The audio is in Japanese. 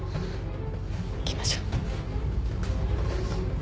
行きましょう。